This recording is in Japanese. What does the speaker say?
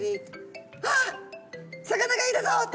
「あっ魚がいるぞ」と。